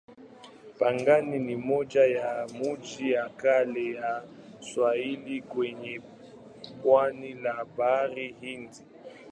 Pangani ni moja ya miji ya kale ya Waswahili kwenye pwani la Bahari Hindi.